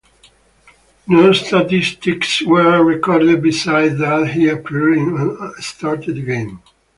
No statistics were recorded besides that he appeared in and started the game.